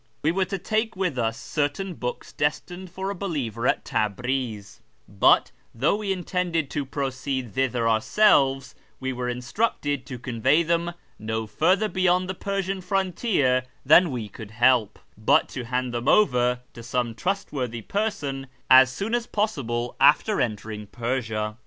We were to take with us certain books destined for a believer at Tabriz ; but, though we intended to proceed thither ourselves, we were instructed to convey them no further beyond the Persian frontier than we j could help, but to hand them over to some trustworthy person ' as soon as possible after entering Persia.